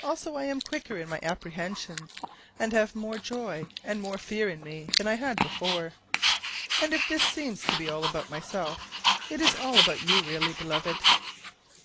Also I am quicker in my apprehensions, and have more joy and more fear in me than I had before. And if this seems to be all about myself, it is all about you really, Beloved!